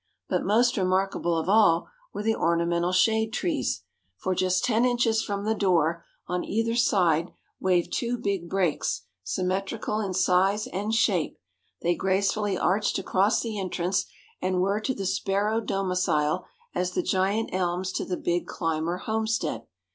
But most remarkable of all were the ornamental shade trees, for just ten inches from the door, on either side, waved two big brakes, symmetrical in size and shape; they gracefully arched across the entrance, and were to the Sparrow domicile as the giant elms to the big Clymer homestead.